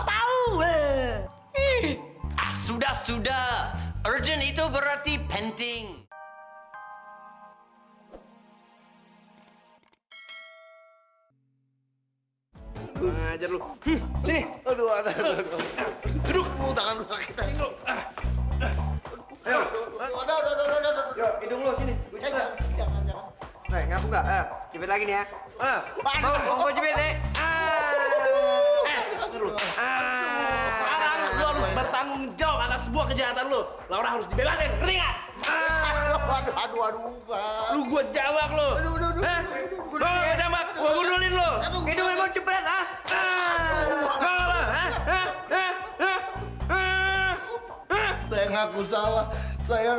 aduh berisik banget ada apaan